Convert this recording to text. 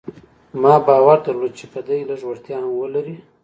ما باور درلود چې که دی لږ وړتيا هم ولري.